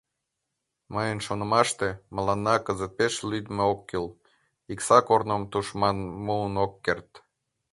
Мыйын шонымаште, мыланна кызыт пеш лӱдмӧ ок кӱл: Икса корным тушман муын ок керт.